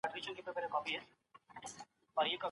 روان اوسئ.